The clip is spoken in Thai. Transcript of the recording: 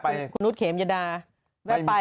แป๊บ